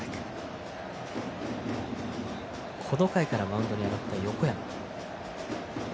この回からマウンドに上がった、横山。